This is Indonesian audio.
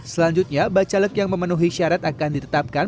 selanjutnya bacalek yang memenuhi syarat akan ditetapkan